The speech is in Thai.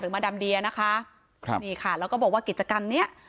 มาดามเดียนะคะครับนี่ค่ะแล้วก็บอกว่ากิจกรรมเนี้ย